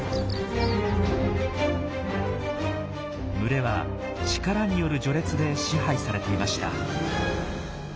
群れは力による序列で支配されていました。